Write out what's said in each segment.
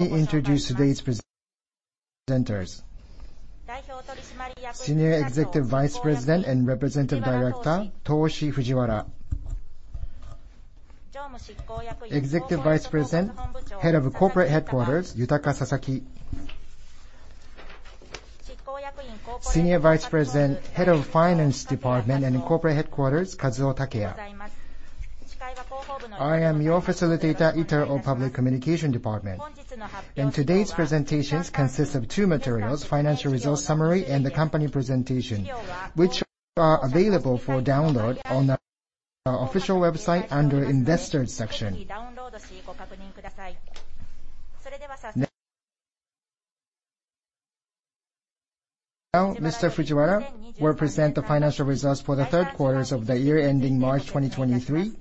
Introduce today's presenters. Senior Executive Vice President and Representative Director, Toshi Fujiwara. Executive Vice President, Head of Corporate Headquarters, Yutaka Sasaki. Senior Vice President, Head of Finance Department and Corporate Headquarters, Kazuo Takeya. I am your facilitator, Ito of Public Communication Department. Today's presentations consist of two materials: Financial Results summary and the company presentation, which are available for download on our official website under Investors section. Now, Mr. Fujiwara will present the financial results for the third quarters of the year ending March 2023.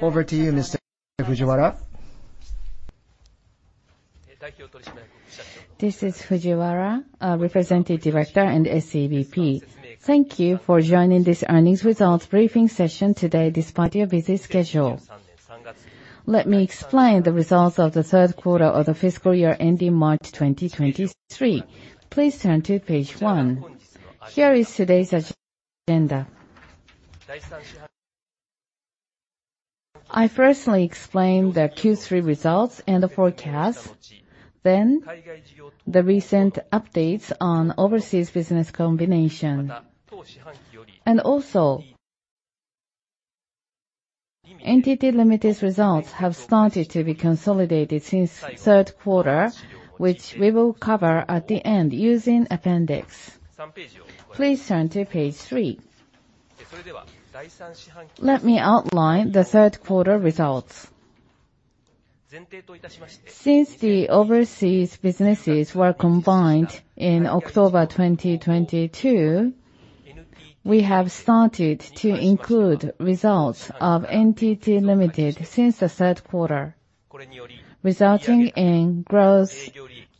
Over to you, Mr. Fujiwara. This is Fujiwara, Representative Director and SEVP. Thank you for joining this earnings results briefing session today despite your busy schedule. Let me explain the results of the third quarter of the fiscal year ending March 2023. Please turn to page one. Here is today's agenda. I firstly explain the Q3 results and the forecast, then the recent updates on overseas business combination. NTT Ltd.'s results have started to be consolidated since third quarter, which we will cover at the end using appendix. Please turn to page three. Let me outline the third quarter results. Since the overseas businesses were combined in October 2022, we have started to include results of NTT Ltd. since the third quarter, resulting in growth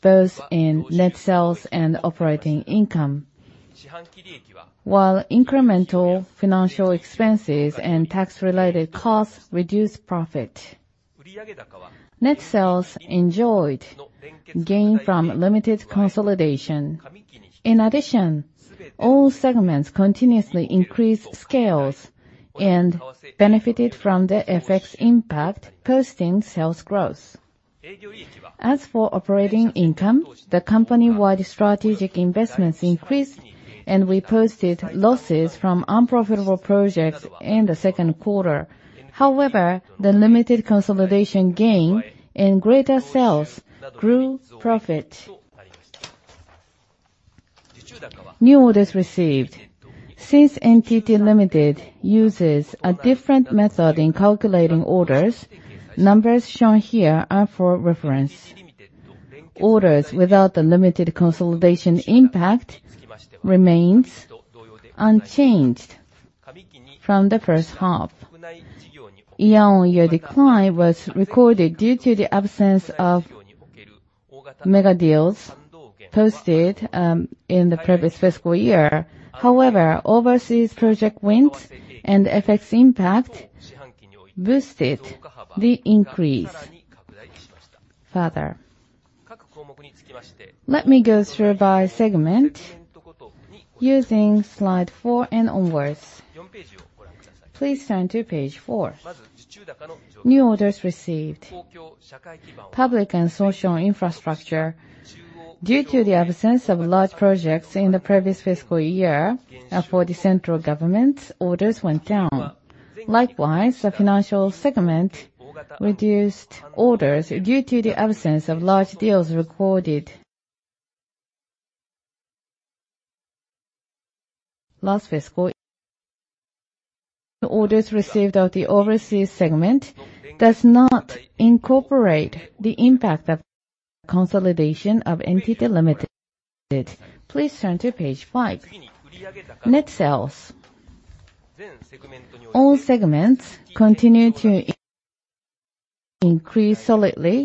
both in net sales and operating income. While incremental financial expenses and tax-related costs reduced profit, net sales enjoyed gain from limited consolidation. In addition, all segments continuously increased scales and benefited from the FX impact posting sales growth. As for operating income, the company-wide strategic investments increased, and we posted losses from unprofitable projects in the second quarter. The limited consolidation gain and greater sales grew profit. New orders received. Since NTT Ltd. uses a different method in calculating orders, numbers shown here are for reference. Orders without the limited consolidation impact remains unchanged from the first half. Year-over-year decline was recorded due to the absence of mega deals posted in the previous fiscal year. Overseas project wins and FX impact boosted the increase further. Let me go through by segment using slide four and onwards. Please turn to page four. New orders received. Public and social infrastructure. Due to the absence of large projects in the previous fiscal year, for the central government, orders went down. Likewise, the financial segment reduced orders due to the absence of large deals recorded last fiscal. The orders received of the overseas segment does not incorporate the impact of consolidation of NTT Ltd.. Please turn to page five. Net sales. All segments continued to increase solidly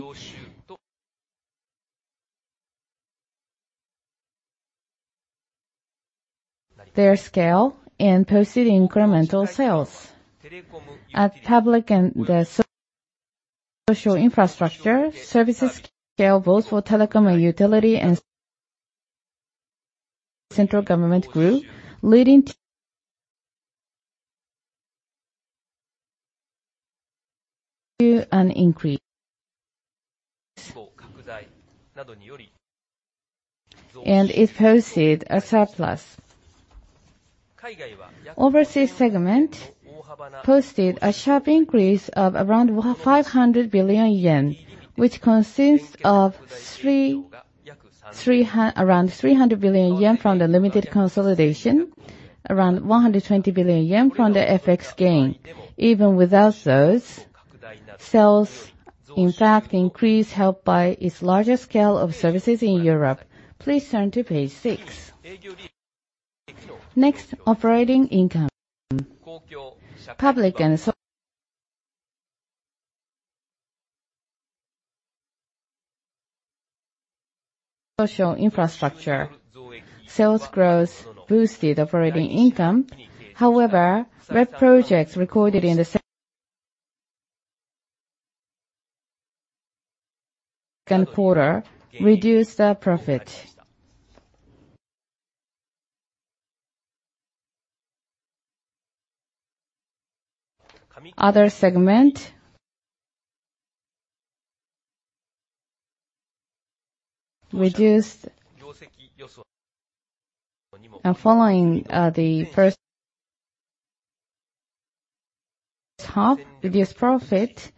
their scale and posted incremental sales. At public and the social infrastructure, services scale both for telecom and utility and central government grew, leading to an increase. It posted a surplus. Overseas segment posted a sharp increase of around 500 billion yen, which consists of around 300 billion yen from the limited consolidation, around 120 billion yen from the FX gain. Even without those, sales in fact increased helped by its larger scale of services in Europe. Please turn to page six. Next, operating income. Public and Social infrastructure. Sales growth boosted operating income. However, red projects recorded in the second quarter reduced our profit. Other segment. Reduced. Following the first half reduced profit.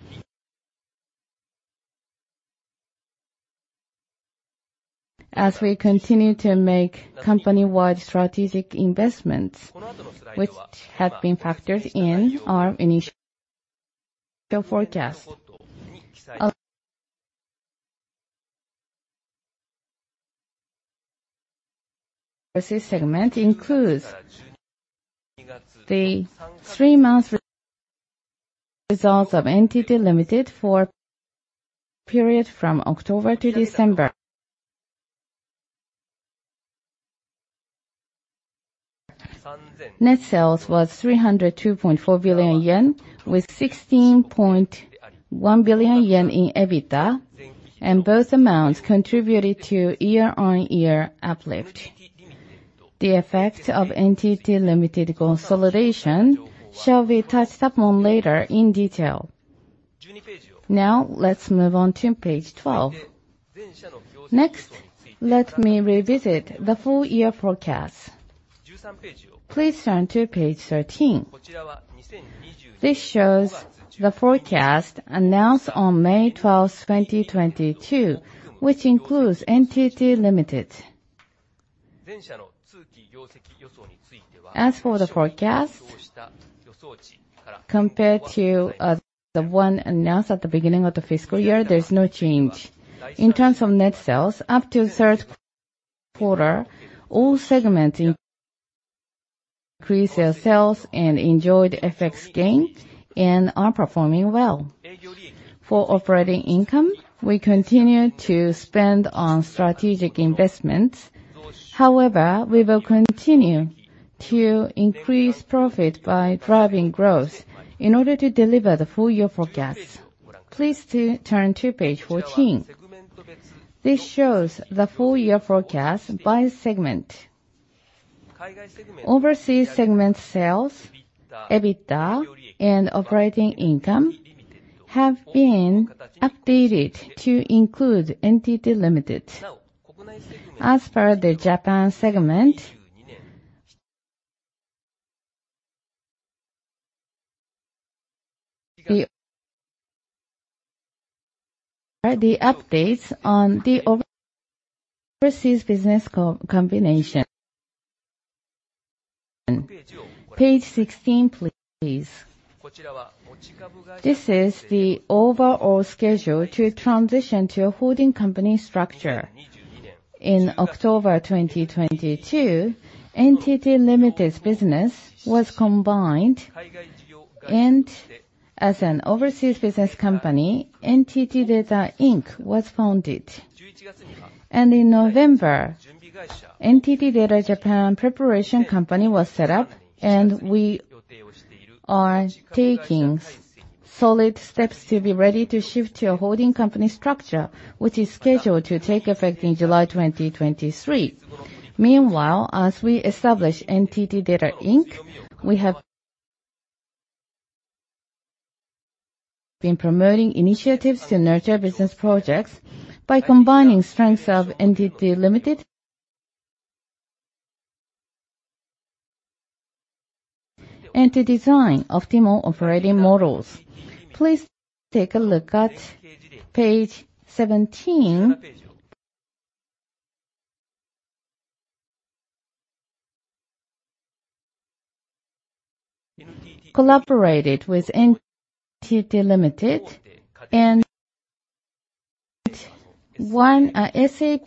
As we continue to make company-wide strategic investments, which have been factored in our initial forecast. Segment includes the 3-month results of NTT Ltd. for period from October to December. Net sales was 302.4 billion yen, with 16.1 billion yen in EBITDA, and both amounts contributed to year-on-year uplift. The effect of NTT Ltd. consolidation shall be touched upon later in detail. Let's move on to page 12. Next, let me revisit the full year forecast. Please turn to page 13. This shows the forecast announced on May 12th, 2022, which includes NTT Ltd.. As for the forecast, compared to the one announced at the beginning of the fiscal year, there's no change. In terms of net sales, up to 3rd quarter, all segments increased their sales and enjoyed FX gain and are performing well. For operating income, we continue to spend on strategic investments. However, we will continue to increase profit by driving growth in order to deliver the full year forecast. Please turn to page 14. This shows the full year forecast by segment. Overseas segment sales, EBITDA, and operating income have been updated to include NTT Ltd.. As per the Japan segment. The are the updates on the overseas business combination. Page 16, please. This is the overall schedule to transition to a holding company structure. In October 2022, NTT Ltd.'s business was combined, and as an overseas business company, NTT DATA, Inc. was founded. In November, NTT DATA Japan preparation company was set up, and we are taking solid steps to be ready to shift to a holding company structure, which is scheduled to take effect in July 2023. Meanwhile, as we establish NTT DATA, Inc., we have been promoting initiatives to nurture business projects by combining strengths of NTT Ltd. and to design optimal operating models. Please take a look at page 17. Collaborated with NTT Ltd. and one, SAP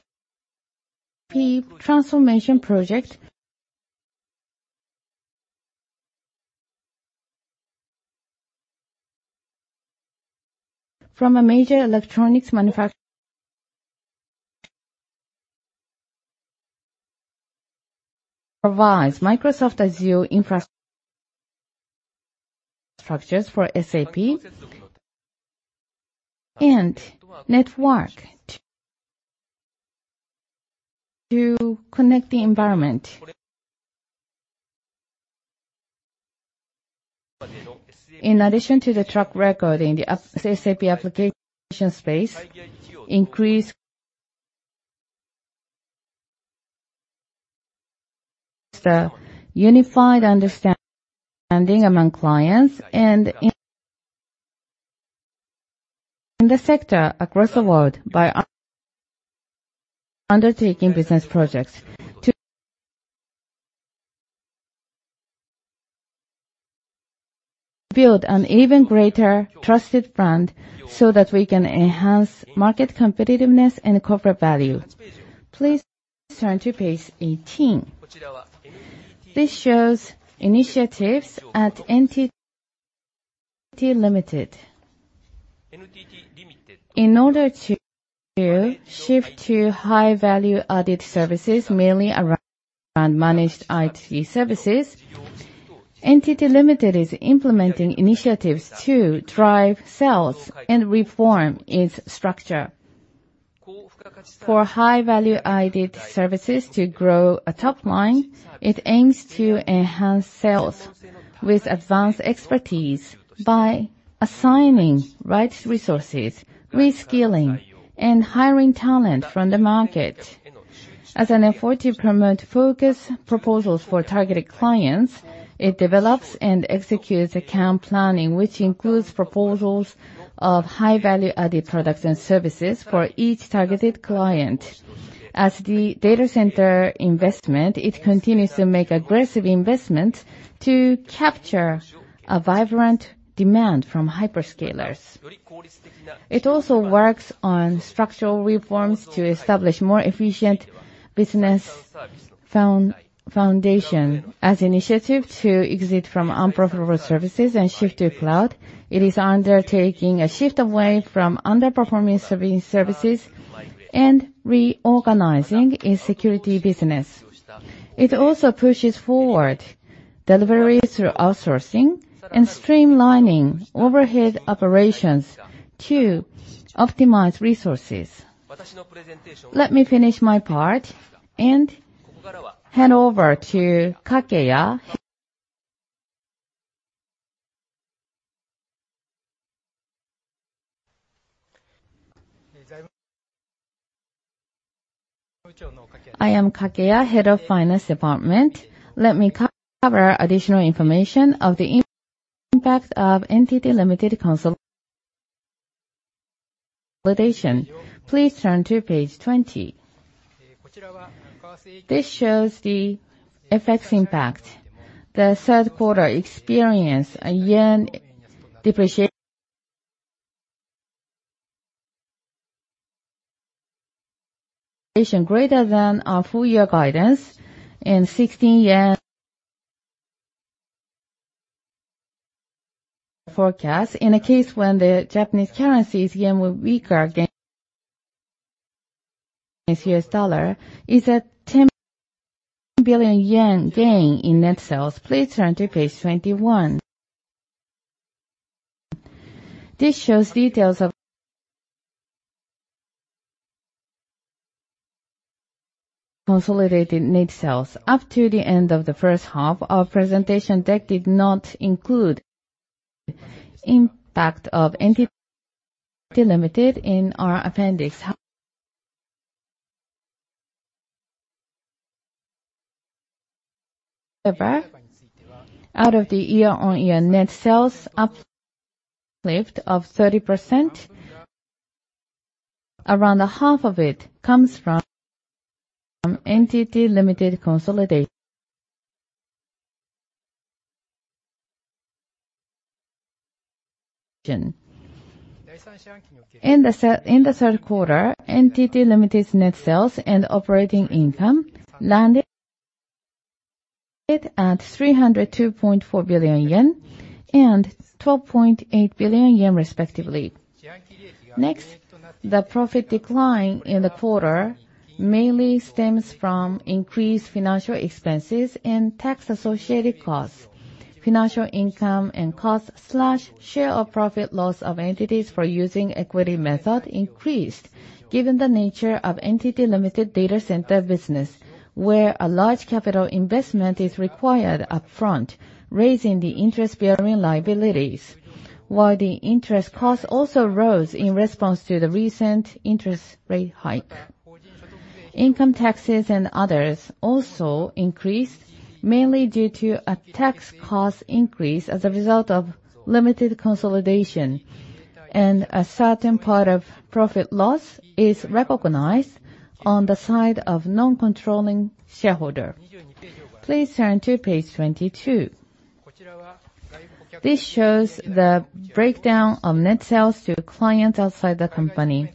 transformation project from a major electronics provides Microsoft Azure infrastructures for SAP and network to connect the environment. In addition to the track record in the SAP application space, increased the unified understanding among clients and in the sector across the world by undertaking business projects. To build an even greater trusted brand so that we can enhance market competitiveness and corporate value. Please turn to page 18. This shows initiatives at NTT Ltd.. In order to shift to high-value-added services, mainly around managed IT services, NTT Ltd. is implementing initiatives to drive sales and reform its structure. For high-value-added services to grow a top line, it aims to enhance sales with advanced expertise by assigning right resources, reskilling, and hiring talent from the market. As an effort to promote focused proposals for targeted clients, it develops and executes account planning, which includes proposals of high-value-added products and services for each targeted client. As the data center investment, it continues to make aggressive investments to capture a vibrant demand from hyperscalers. It also works on structural reforms to establish more efficient business foundation. As initiative to exit from unprofitable services and shift to cloud, it is undertaking a shift away from underperforming services and reorganizing its security business. It also pushes forward deliveries through outsourcing and streamlining overhead operations to optimize resources. Let me finish my part and hand over to Takeya. I am Takeya, Head of Finance Department. Let me cover additional information of the impact of NTT Ltd. consolidation. Please turn to page 20. This shows the FX impact. The third quarter experienced a yen depreciation greater than our full-year guidance and 16 JPY forecast. In a case when the Japanese currency's yen will weaker again, U.S. dollar is a billion JPY gain in net sales. Please turn to page 21. This shows details of consolidated net sales. Up to the end of the first half, our presentation deck did not include impact of NTT Ltd. in our appendix. Out of the year-on-year net sales uplift of 30%, around half of it comes from NTT Ltd. consolidation. In the third quarter, NTT Ltd.'s net sales and operating income landed at 302.4 billion yen and 12.8 billion yen respectively. The profit decline in the quarter mainly stems from increased financial expenses and tax-associated costs. Financial income and cost/share of profit loss of entities for using equity method increased given the nature of NTT Ltd. data center business, where a large capital investment is required upfront, raising the interest-bearing liabilities, while the interest cost also rose in response to the recent interest rate hike. Income taxes and others also increased mainly due to a tax cost increase as a result of limited consolidation. A certain part of profit loss is recognized on the side of non-controlling shareholder. Please turn to page 22. This shows the breakdown of net sales to a client outside the company.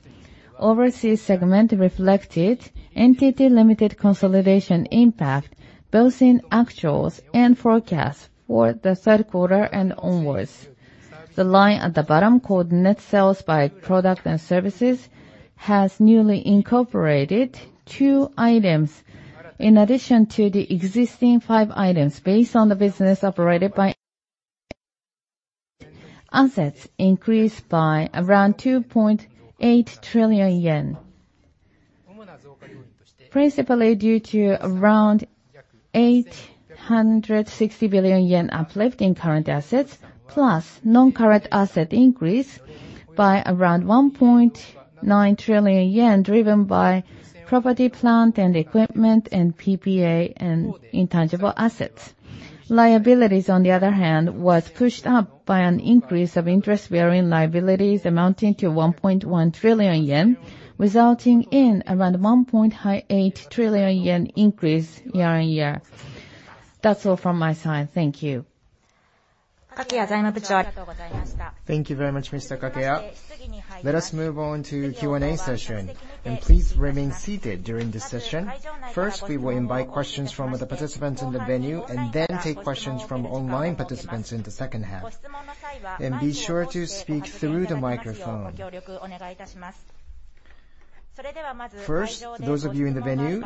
Overseas segment reflected NTT Ltd. consolidation impact both in actuals and forecasts for the third quarter and onwards. The line at the bottom, called Net Sales by Product and Services, has newly incorporated two items in addition to the existing five items based on the business operated. Assets increased by around 2.8 trillion yen, principally due to around 860 billion yen uplift in current assets, plus non-current asset increase by around 1.9 trillion yen, driven by property, plant, and equipment and PPA and intangible assets. Liabilities, on the other hand, was pushed up by an increase of interest-bearing liabilities amounting to 1.1 trillion yen, resulting in around 1.8 trillion yen increase year-on-year. That's all from my side. Thank you. Thank you very much, Mr. Takeya. Let us move on to Q&A session, and please remain seated during the session. First, we will invite questions from the participants in the venue, and then take questions from online participants in the second half. Be sure to speak through the microphone. First, those of you in the venue,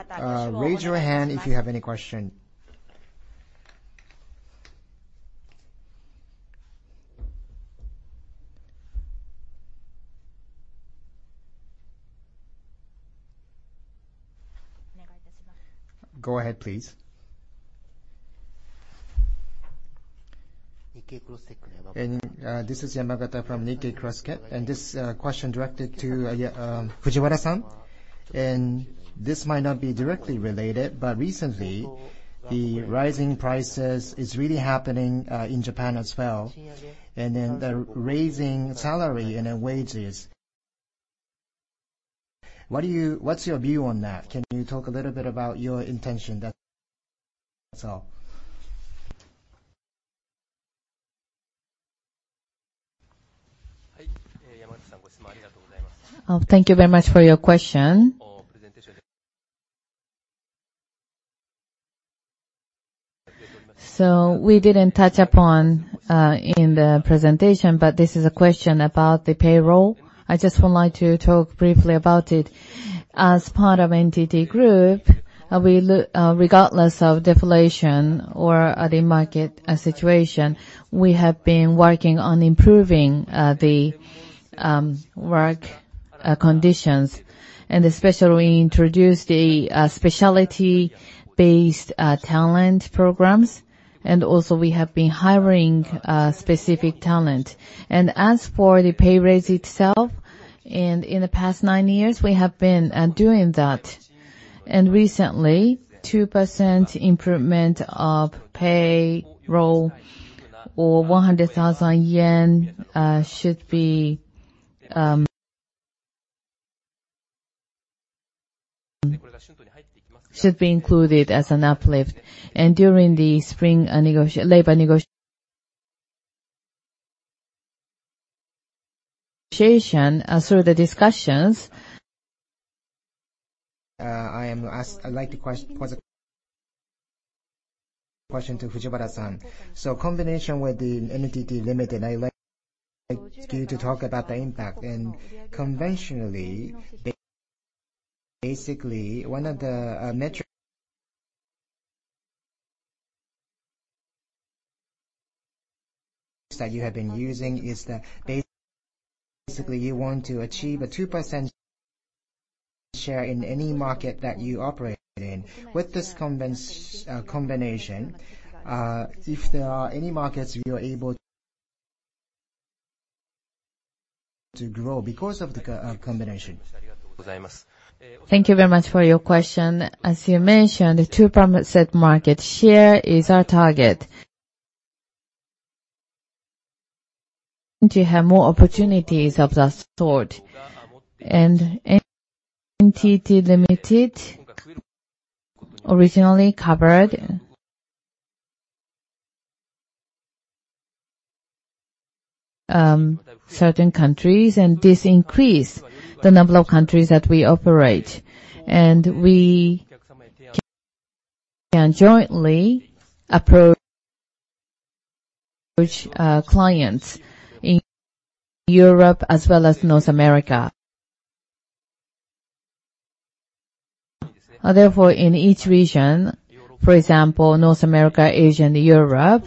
raise your hand if you have any question. Go ahead, please. This is Yamagata from Nikkei CrossTech, and this question directed to Fujiwara-san. This might not be directly related, but recently the rising prices is really happening in Japan as well. The raising salary and wages. What's your view on that? Can you talk a little bit about your intention? That's all. Thank you very much for your question. We didn't touch upon in the presentation, but this is a question about the payroll. I just would like to talk briefly about it. As part of NTT Group, we, regardless of deflation or the market situation, we have been working on improving the work conditions. Especially, we introduced a specialty-based talent programs. Also, we have been hiring specific talent. As for the pay raise itself, and in the past nine years, we have been doing that. Recently, 2% improvement of payroll, or JPY 100,000, should be included as an uplift. During the spring labor negotiation, through the discussions. I'd like to pose a question to Fujiwara-san. Combination with the NTT Ltd., I like you to talk about the impact. Conventionally, basically, one of the metrics that you have been using is that basically you want to achieve a 2% share in any market that you operate in. With this combination, if there are any markets you are able to grow because of the combination? Thank you very much for your question. As you mentioned, the 2% market share is our target. To have more opportunities of that sort, NTT Ltd. originally covered certain countries, and this increased the number of countries that we operate. We can jointly approach clients in Europe as well as North America. Therefore, in each region, for example, North America, Asia, and Europe,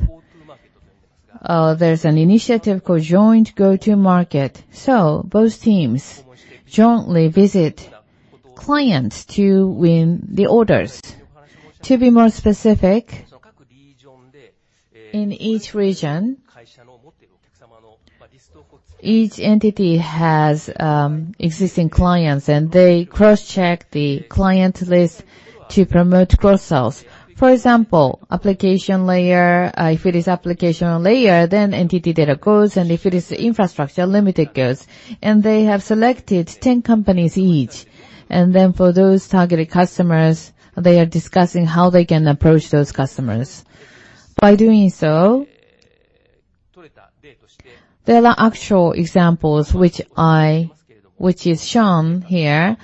there's an initiative called Joint Go-To-Market. Both teams jointly visit clients to win the orders. To be more specific, in each region, each entity has existing clients, and they cross-check the client list to promote cross-sales. For example, application layer, if it is application layer, then NTT DATA goes, and if it is infrastructure, NTT Ltd. goes. They have selected 10 companies each. For those targeted customers, they are discussing how they can approach those customers. By doing so, there are actual examples which is shown here.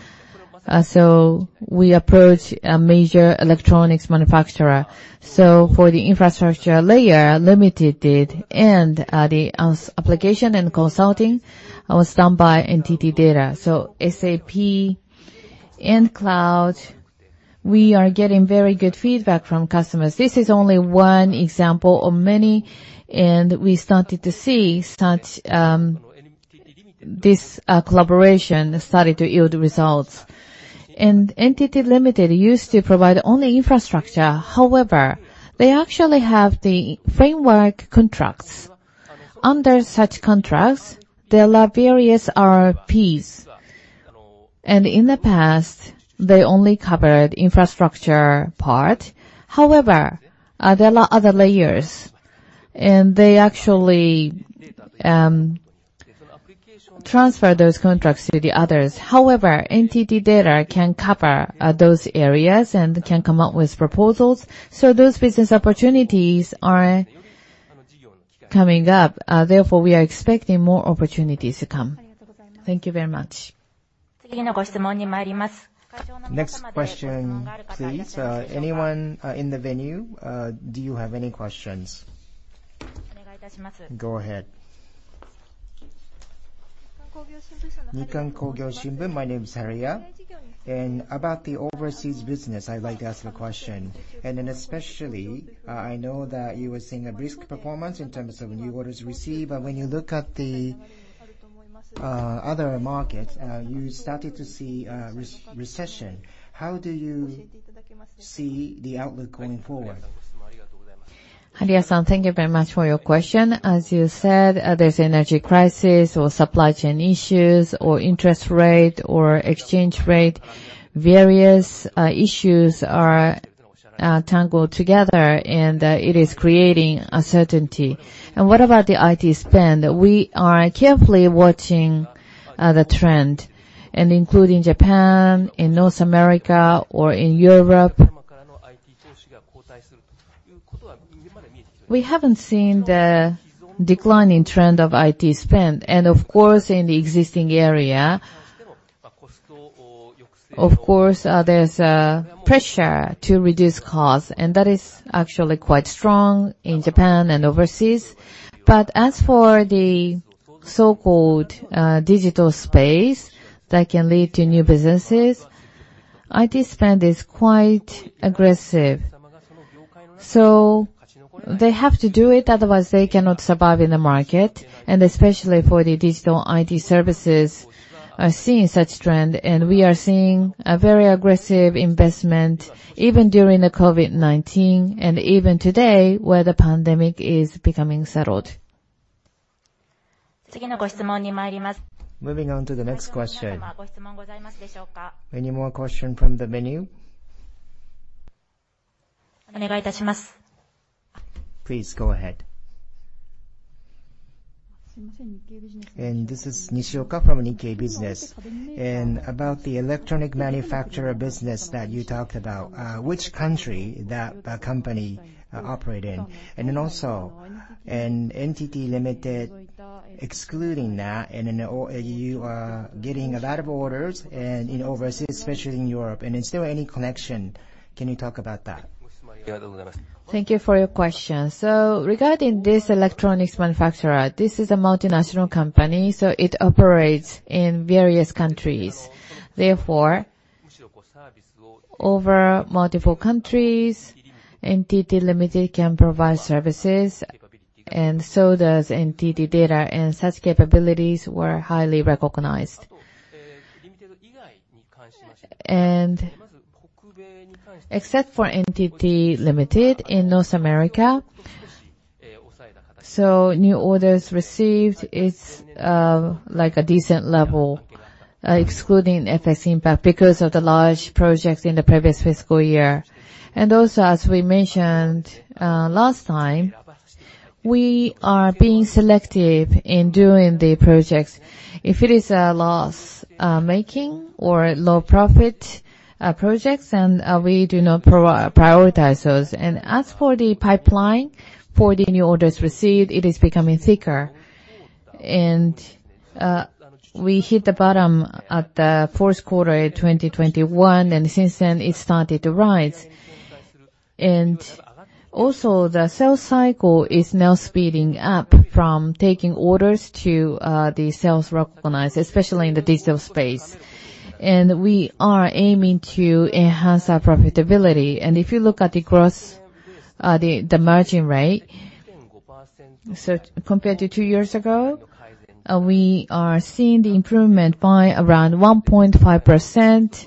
We approach a major electronics manufacturer. For the infrastructure layer, NTT Ltd. did, and the application and consulting was done by NTT DATA. SAP and Cloud, we are getting very good feedback from customers. This is only one example of many, and we started to see this collaboration started to yield results. NTT Ltd. used to provide only infrastructure. However, they actually have the framework contracts. Under such contracts, there are various RPs. In the past, they only covered infrastructure part. However, there are other layers, and they actually transfer those contracts to the others. However, NTT DATA can cover those areas and can come up with proposals. Those business opportunities are coming up, therefore, we are expecting more opportunities to come. Thank you very much. Next question, please. Anyone in the venue, do you have any questions? Go ahead. My name is Harya. About the overseas business, I'd like to ask a question. Especially, I know that you were seeing a brisk performance in terms of new orders received, but when you look at the other markets, you started to see recession. How do you see the outlook going forward? Harya-san, thank you very much for your question. As you said, there's energy crisis or supply chain issues or interest rate or exchange rate. Various issues are tangled together and it is creating uncertainty. What about the IT spend? We are carefully watching the trend, and including Japan, in North America or in Europe. We haven't seen the declining trend of IT spend. Of course, in the existing area, of course, there's a pressure to reduce costs, and that is actually quite strong in Japan and overseas. As for the so-called digital space that can lead to new businesses, IT spend is quite aggressive. They have to do it, otherwise they cannot survive in the market, and especially for the digital IT services are seeing such trend. We are seeing a very aggressive investment, even during the COVID-19 and even today, where the pandemic is becoming settled. Moving on to the next question. Any more question from the venue? Please go ahead. This is Nishioka from Nikkei Business. About the electronic manufacturer business that you talked about, which country that company operate in? NTT Ltd. excluding that, you are getting a lot of orders and in overseas, especially in Europe. Is there any connection? Can you talk about that? Thank you for your question. Regarding this electronics manufacturer, this is a multinational company, it operates in various countries. Therefore, over multiple countries, NTT Ltd. can provide services, and so does NTT DATA, and such capabilities were highly recognized. Except for NTT Ltd. in North America, new orders received is like a decent level, excluding FX impact because of the large projects in the previous fiscal year. As we mentioned last time, we are being selective in doing the projects. If it is loss making or low profit projects, then we do not prioritize those. As for the pipeline, for the new orders received, it is becoming thicker. We hit the bottom at the fourth quarter in 2021, and since then it started to rise. Also, the sales cycle is now speeding up from taking orders to the sales recognized, especially in the digital space. We are aiming to enhance our profitability. If you look at the gross, the margin rate, compared to two years ago, we are seeing the improvement by around 1.5%,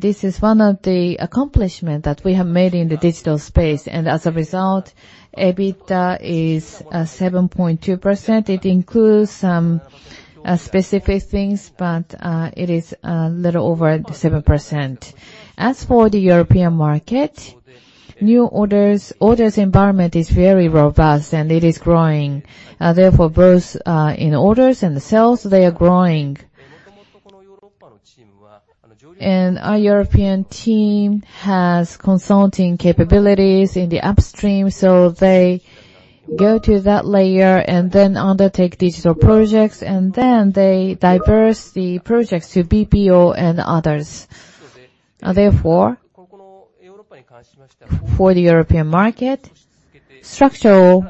this is one of the accomplishment that we have made in the digital space. As a result, EBITDA is 7.2%. It includes some specific things, it is little over 7%. As for the European market, new orders environment is very robust and it is growing. Therefore, both in orders and the sales, they are growing. Our European team has consulting capabilities in the upstream, so they go to that layer and then undertake digital projects, and then they diverse the projects to BPO and others. For the European market, structural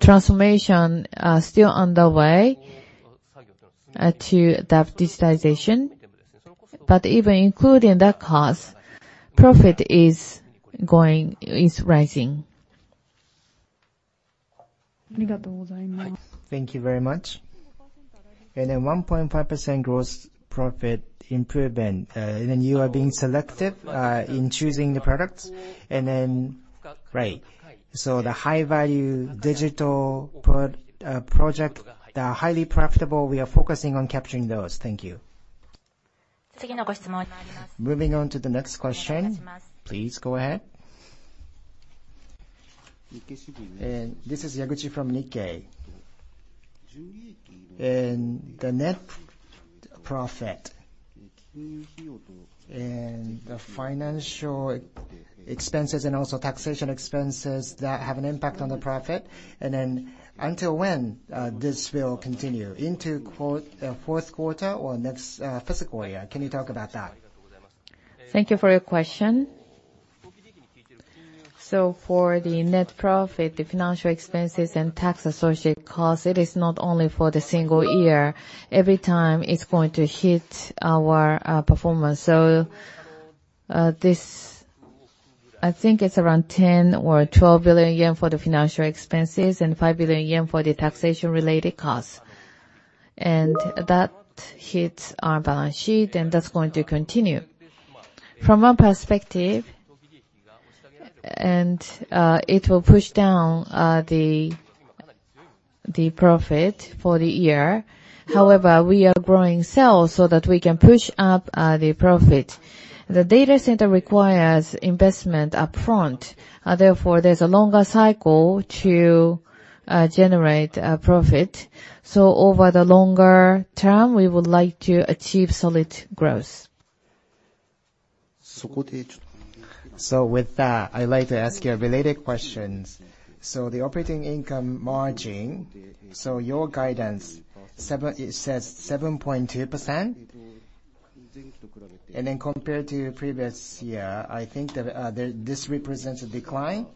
transformation are still underway to adapt digitization. Even including that cost, profit is rising. Thank you very much. 1.5% gross profit improvement, you are being selective in choosing the products, right. The high value digital project that are highly profitable, we are focusing on capturing those. Thank you. Moving on to the next question. Please go ahead. This is Yaguchi from Nikkei. The net profit, and the financial expenses, and also taxation expenses that have an impact on the profit. Until when this will continue, into fourth quarter or next fiscal year? Can you talk about that? Thank you for your question. For the net profit, the financial expenses and tax associated costs, it is not only for the single year. Every time it's going to hit our performance. I think it's around 10 billion or 12 billion yen for the financial expenses and 5 billion yen for the taxation-related costs. That hits our balance sheet, and that's going to continue. From our perspective, it will push down the profit for the year. However, we are growing sales so that we can push up the profit. The data center requires investment upfront, therefore, there's a longer cycle to generate profit. Over the longer term, we would like to achieve solid growth. With that, I'd like to ask you related questions. The operating income margin, your guidance says 7.2%. Compared to your previous year, I think that this represents a decline,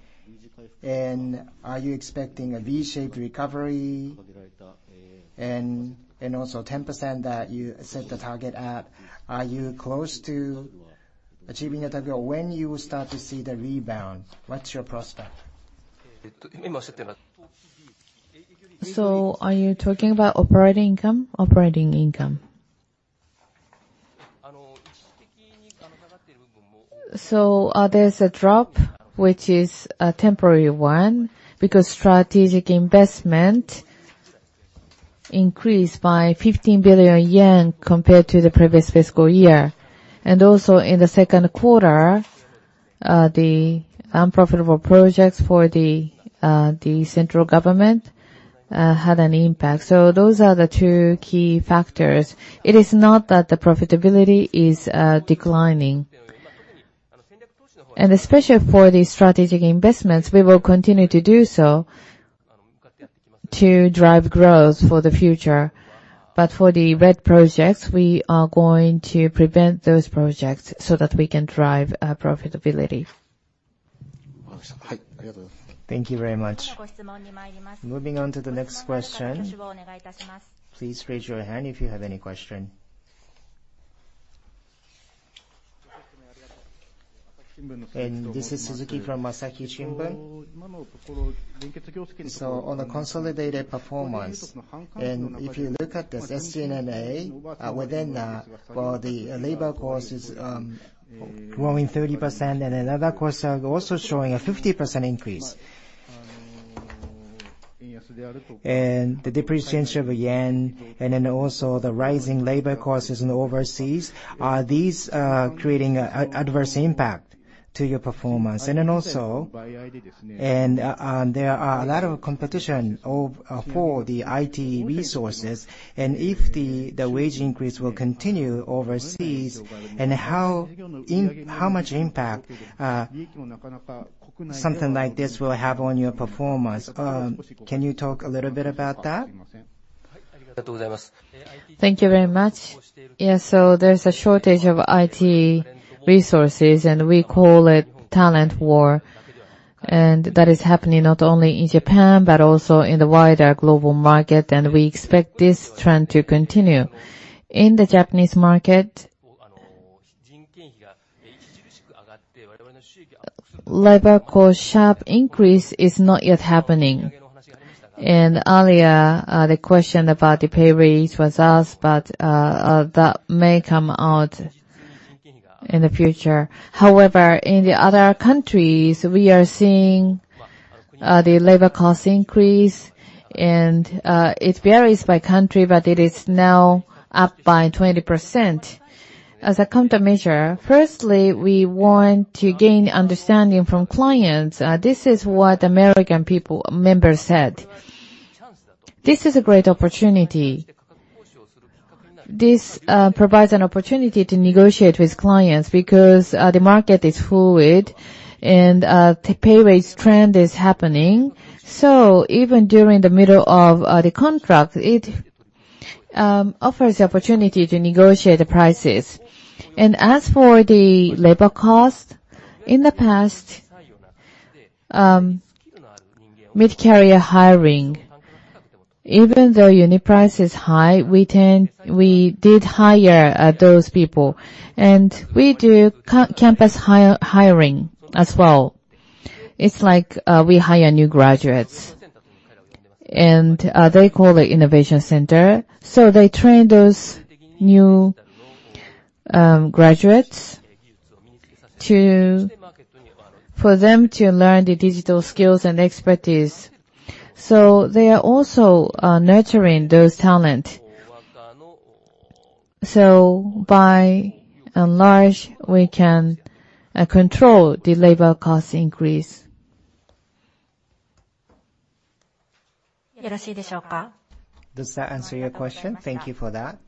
and are you expecting a V-shaped recovery? Also 10% that you set the target at, are you close to achieving the target, or when you start to see the rebound? What's your prospect? Are you talking about operating income? Operating income. There's a drop, which is a temporary one because strategic investment increased by 15 billion yen compared to the previous fiscal year. In the 2Q, the unprofitable projects for the central government had an impact. Those are the two key factors. It is not that the profitability is declining. Especially for the strategic investments, we will continue to do so to drive growth for the future. For the red projects, we are going to prevent those projects so that we can drive profitability. Thank you very much. Moving on to the next question. Please raise your hand if you have any question. This is Suzuki from Asahi Shimbun. On a consolidated performance, if you look at this SG&A, within that, well, the labor cost is growing 30%, and another cost are also showing a 50% increase. The depreciation of the yen, then also the rising labor costs in overseas, are these creating an adverse impact to your performance? Then also, there are a lot of competition for the IT resources, if the wage increase will continue overseas, how much impact something like this will have on your performance? Can you talk a little bit about that? Thank you very much. Yeah. There's a shortage of IT resources, and we call it talent war. That is happening not only in Japan but also in the wider global market, and we expect this trend to continue. In the Japanese market, labor cost sharp increase is not yet happening. Earlier, the question about the pay raise was asked, but that may come out in the future. However, in the other countries, we are seeing the labor cost increase, and it varies by country, but it is now up by 20%. As a countermeasure, firstly, we want to gain understanding from clients. This is what American members said. This is a great opportunity. This provides an opportunity to negotiate with clients because the market is fluid and the pay raise trend is happening. Even during the middle of the contract, it offers the opportunity to negotiate the prices. As for the labor cost, in the past, mid-career hiring, even though unit price is high, we did hire those people. We do campus hiring as well. It's like, we hire new graduates, and they call it innovation center. They train those new graduates to, for them to learn the digital skills and expertise. They are also nurturing those talent. By and large, we can control the labor cost increase. Does that answer your question? Thank you for that.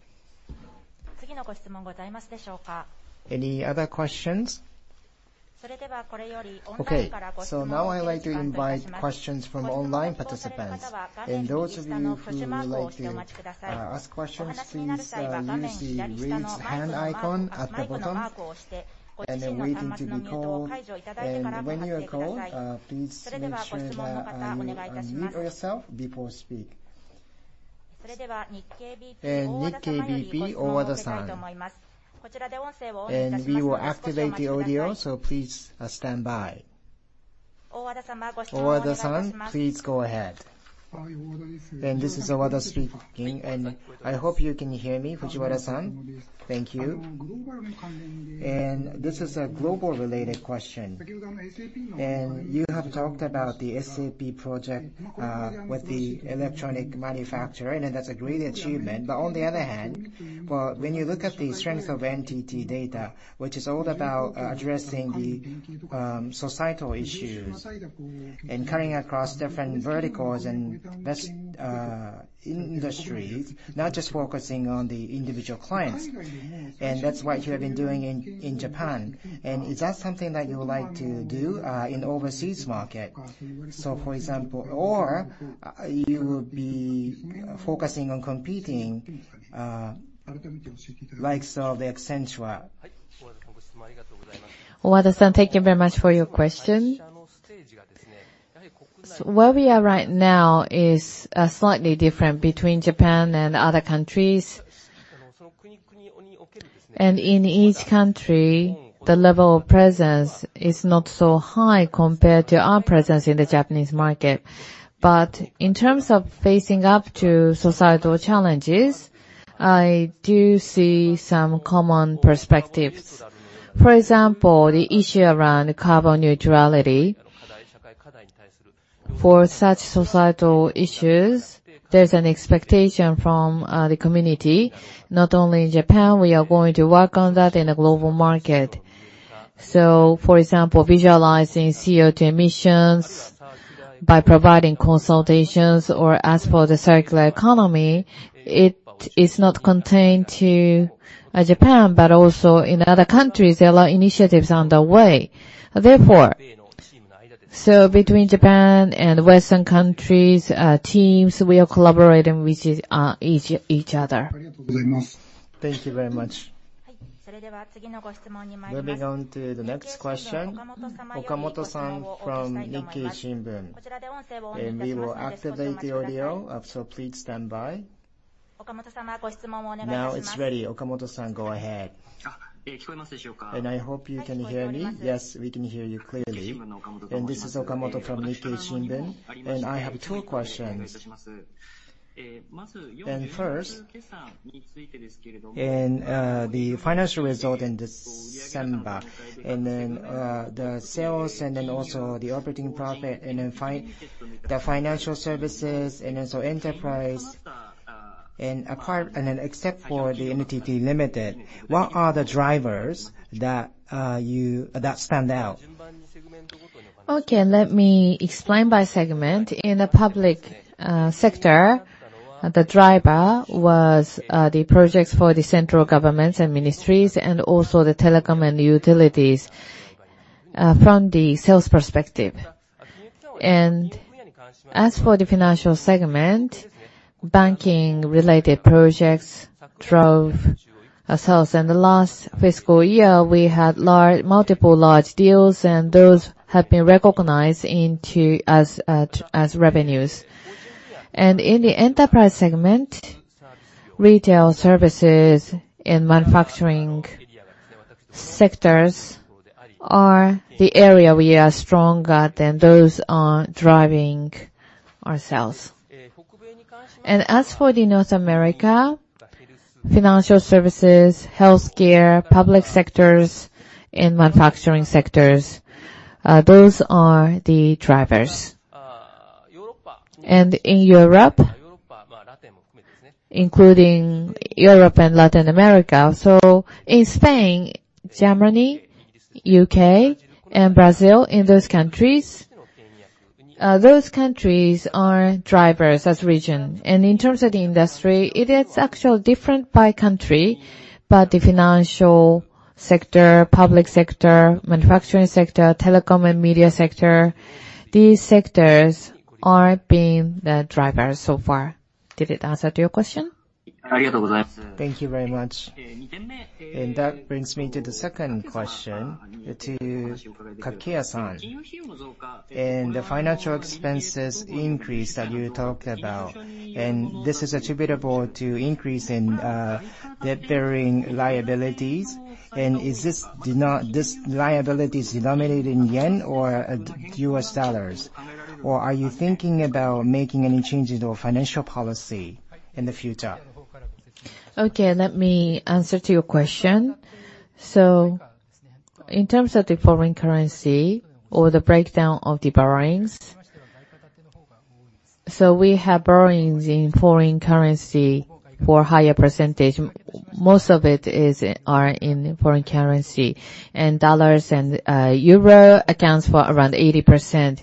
Any other questions? Okay. Now I would like to invite questions from online participants. Those of you who would like to ask questions, please use the Raise Hand icon at the bottom, and then wait until you called. When you are called, please make sure that you unmute yourself before speak. Nikkei BP Owada-san. We will activate the audio, so please stand by. Owada-san, please go ahead. Hi, Owada this is speaking, and I hope you can hear me, Fujiwara-san. Thank you. This is a global related question. You have talked about the SAP project with the electronic manufacturer, and that's a great achievement. On the other hand, well, when you look at the strength of NTT DATA, which is all about addressing the societal issues and cutting across different verticals and that's industry, not just focusing on the individual clients. That's what you have been doing in Japan. Is that something that you would like to do in overseas market, for example, or you will be focusing on competing likes of Accenture? Owada-san, thank you very much for your question. Where we are right now is slightly different between Japan and other countries. In each country, the level of presence is not so high compared to our presence in the Japanese market. In terms of facing up to societal challenges, I do see some common perspectives. For example, the issue around carbon neutrality. For such societal issues, there's an expectation from the community, not only in Japan, we are going to work on that in a global market. For example, visualizing CO2 emissions by providing consultations, or as for the circular economy, it is not contained to Japan, but also in other countries, there are a lot of initiatives on the way. Between Japan and Western countries, teams we are collaborating with each other. Thank you very much. Moving on to the next question. Okamoto-san from Nikkei Shimbun. We will activate the audio, so please stand by. Now it's ready. Okamoto-san, go ahead. I hope you can hear me. Yes, we can hear you clearly. This is Okamoto from Nikkei Shimbun, and I have two questions. First, the financial result in December, the sales, also the operating profit, the financial services and also enterprise. Apart, except for the NTT Ltd., what are the drivers that you, that stand out? Okay, let me explain by segment. In the public sector, the driver was the projects for the central governments and ministries, and also the telecom and utilities from the sales perspective. As for the financial segment, banking related projects drove our sales. In the last fiscal year, we had multiple large deals, and those have been recognized into as revenues. In the enterprise segment, retail services and manufacturing sectors are the area we are stronger than those are driving our sales. As for the North America, financial services, healthcare, public sectors and manufacturing sectors, those are the drivers. In Europe, including Europe and Latin America, so in Spain, Germany, UK, and Brazil, in those countries, those countries are drivers as region. In terms of the industry, it is actually different by country, but the financial sector, public sector, manufacturing sector, telecom and media sector, these sectors are being the drivers so far. Did it answer to your question? Thank you very much. That brings me to the second question to Takeya-san. The financial expenses increase that you talked about, this is attributable to increase in interest-bearing liabilities. Is this liability is denominated in JPY or U.S. dollars? Are you thinking about making any changes to our financial policy in the future? Okay, let me answer to your question. In terms of the foreign currency or the breakdown of the borrowings. We have borrowings in foreign currency for higher %. Most of it are in foreign currency, and dollars and euro accounts for around 80%.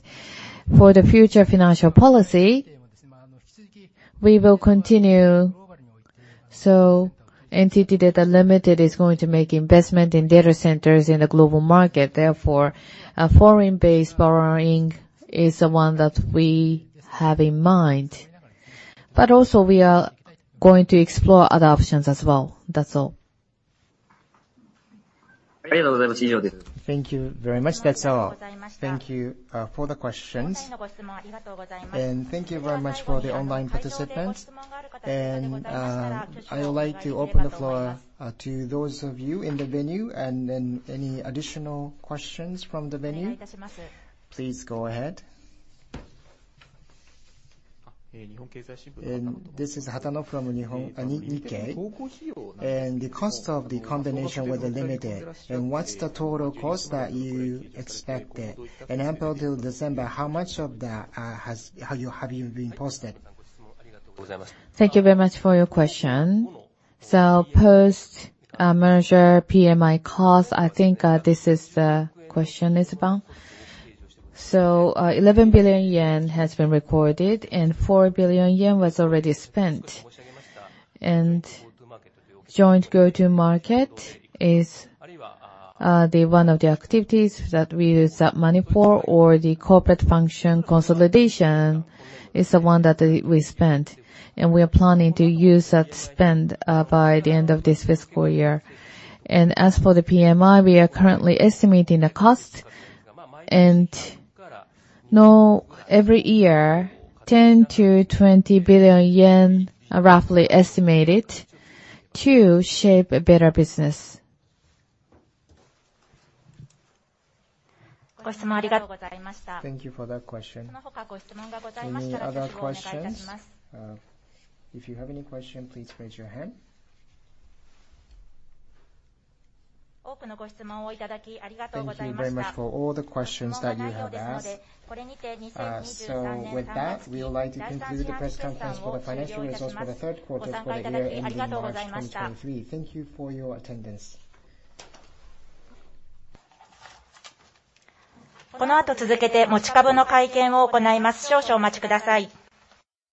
For the future financial policy, we will continue. NTT DATA Limited is going to make investment in data centers in the global market. Therefore, a foreign-based borrowing is the one that we have in mind. Also, we are going to explore other options as well. That's all. Thank you very much. That's all. Thank you for the questions. Thank you very much for the online participants. I would like to open the floor to those of you in the venue, any additional questions from the venue, please go ahead. This is Hatano from Nikkei. The cost of the combination with NTT Ltd., and what's the total cost that you expected? Up till December, how much of that have you been posted? Thank you very much for your question. Post merger PMI cost, I think, this is the question is about. 11 billion yen has been recorded and 4 billion yen was already spent. Joint Go-To-Market is the one of the activities that we use that money for, or the corporate function consolidation is the one that we spent. We are planning to use that spend by the end of this fiscal year. As for the PMI, we are currently estimating the cost and know every year 10 billion-20 billion yen, roughly estimated, to shape a better business. Thank you for that question. Any other questions? If you have any question, please raise your hand. Thank you very much for all the questions that you have asked. With that, we would like to conclude the Press Conference for The Financial Results for The Third Quarter for The Year Ending March 2023. Thank you for your attendance.